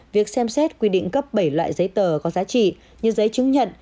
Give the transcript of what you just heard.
việc xem xét quy định cấp bảy loại giấy tờ có giá trị như giấy chứng nhận